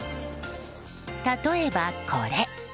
例えば、これ。